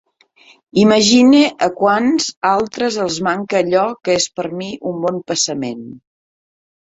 Imagine a quants altres els manca allò que és per mi un bon passament.